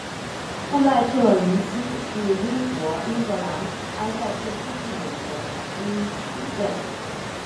布赖特灵西是英国英格兰埃塞克斯郡的一个海滨城镇。